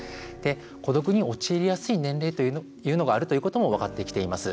孤独に陥りやすい年齢というのがあることも分かってきています。